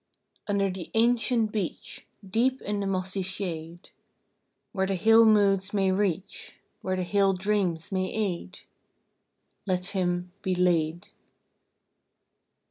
Under the ancient beech, Deep in the mossy shade, Where the hill moods may reach, Where the hill dreams may aid, Let him be laid.